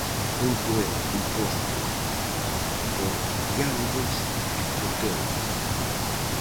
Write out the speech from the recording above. Un poema composto por iambos e troqueos.